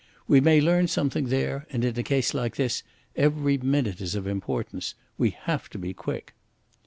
"We may learn something there; and in a case like this every minute is of importance. We have to be quick."